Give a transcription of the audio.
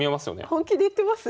本気で言ってます？